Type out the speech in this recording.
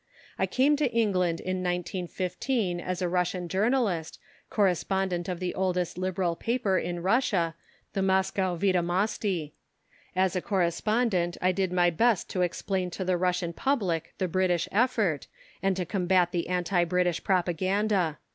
I came to England in 1915 as a Russian Journalist, correspondent of the oldest Liberal paper in Russia, the Moscow Wiedomosti. As a correspondent I did my best to explain to the Russian public the British effort and to combat the anti British propaganda.